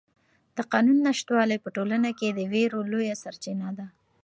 د قانون نشتوالی په ټولنه کې د وېرو لویه سرچینه ده.